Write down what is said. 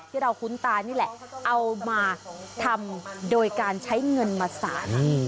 ที่เราคุ้นตานี่แหละเอามาทำด้วยการใช้เงินมาสอน